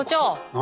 何？